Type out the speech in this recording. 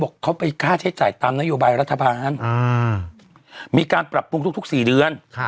เขาไปค่าใช้จ่ายตามนโยบายรัฐบาลมีการปรับปรุงทุก๔เดือน